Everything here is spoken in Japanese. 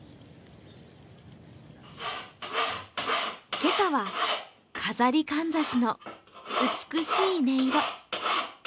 今朝は錺かんざしの美しい音色。